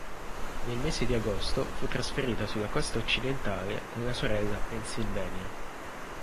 Nel mese di agosto fu trasferita sulla costa occidentale con la sorella "Pennsylvania".